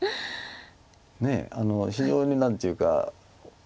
ねえ非常に何ていうか。